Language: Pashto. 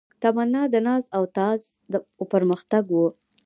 تمنا د ناز او تاز و پرمختګ و